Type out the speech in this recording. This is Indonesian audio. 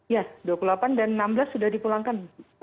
ya dua puluh delapan dan enam belas sudah dipulangkan